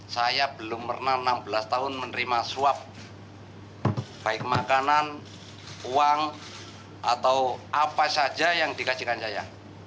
saya belum pernah enam belas tahun menerima suap baik makanan uang atau apa saja yang dikajikan saya